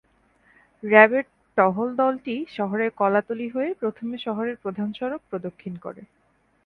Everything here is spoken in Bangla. র্যাবের টহল দলটি শহরের কলাতলী হয়ে প্রথমে শহরের প্রধান সড়ক প্রদক্ষিণ করে।